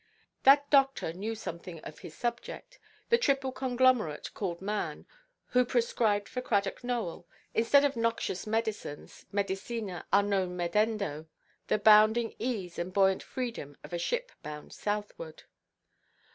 That doctor knew something of his subject—the triple conglomerate called man—who prescribed for Cradock Nowell, instead of noxious medicines—medicina a non medendo—the bounding ease and buoyant freedom of a ship bound southward.